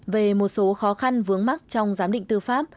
về một số khó khăn vướng mắt trong giám định tư pháp